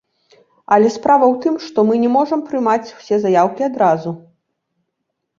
Але справа ў тым, што мы не можам прымаць усе заяўкі адразу.